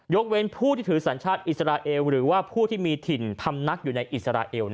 ยกเว้นผู้ที่ถือสัญชาติอิสระเอวหรือผู้ที่มีถิ่นทำนักในอิสระเอว